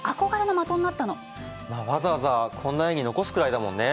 わざわざこんな絵に残すくらいだもんね。